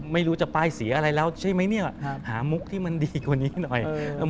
ไม่รู้จะป้ายสีอะไรแล้วใช่ไหมเนี่ยหามุกที่มันดีกว่านี้หน่อย